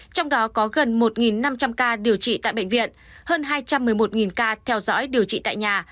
trong đó có gần một năm trăm linh ca điều trị tại bệnh viện hơn hai trăm một mươi một ca theo dõi điều trị tại nhà